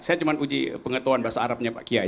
saya cuma uji pengetahuan bahasa arabnya pak kiai